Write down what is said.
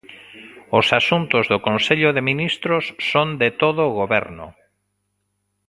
Os asuntos do Consello de Ministros son de todo o Goberno.